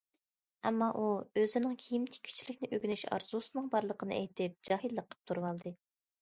ئەمما ئۇ ئۆزىنىڭ كىيىم تىككۈچىلىكنى ئۆگىنىش ئارزۇسىنىڭ بارلىقىنى ئېيتىپ جاھىللىق قىلىپ تۇرۇۋالدى.